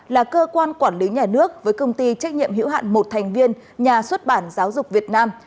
là cơ quan quản lý nhà nước với công ty trách nhiệm hữu hạn một thành viên nhà xuất bản giáo dục việt nam